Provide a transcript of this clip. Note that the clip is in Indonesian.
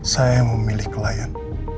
saya yang memilih klien